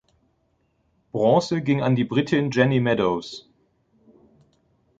Bronze ging an die Britin Jenny Meadows.